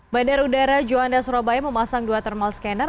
bandar udara juanda surabaya memasang dua thermal scanner